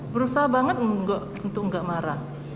berusaha banget untuk nggak marah